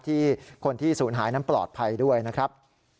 ที่คนที่ศูนย์หายนั้นปลอดภัยด้วยนะครับ